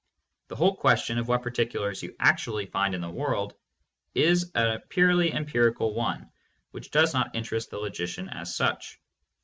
The whole question of what particulars you actually find in the real world is a purely empirical one which does not interest the logician as such.